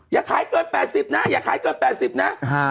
อย่าขายเกินแปดสิบน่ะอย่าขายเกินแปดสิบน่ะฮ่า